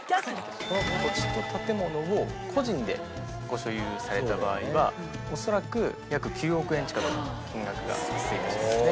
この土地と建物を個人でご所有された場合は恐らく約９億円近く金額が発生致しますね。